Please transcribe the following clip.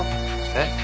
えっ？